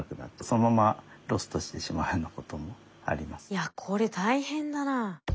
いやこれ大変だな。